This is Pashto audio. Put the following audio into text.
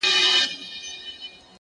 سایه یې نسته او دی روان دی؛